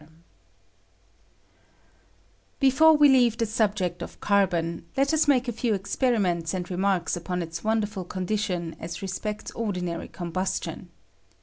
Before we leave the subject of carbon, let us make a few experiments and remarks upon its wonderful condition as respects ordinary com bustion.